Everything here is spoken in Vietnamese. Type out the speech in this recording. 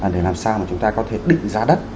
để làm sao mà chúng ta có thể định giá đất